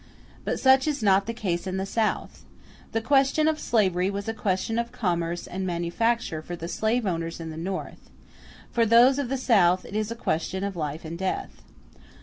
But such is not the case in the South. The question of slavery was a question of commerce and manufacture for the slave owners in the North; for those of the South, it is a question of life and death.